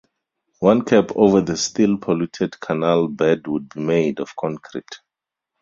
One cap over the still-polluted canal bed would be made of concrete.